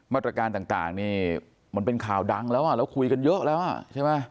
มาตรการต่างนี่มันเป็นข่าวดังแล้วอ่ะแล้วคุยกันเยอะแล้วอ่ะใช่ไหม